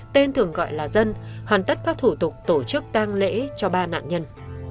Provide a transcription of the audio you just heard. tên thường gọi là dân hoàn tất các thủ tục tổ chức tang lễ cho ba nạn nhân